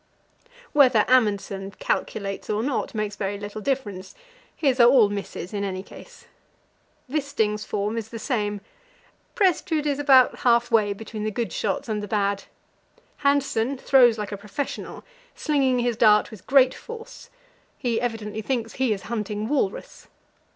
Whether Amundsen "calculates" or not makes very little difference; his are all misses in any case. Wisting's form is the same. Prestrud is about half way between the good shots and the bad. Hanssen throws like a professional, slinging his dart with great force. He evidently thinks he is hunting walrus.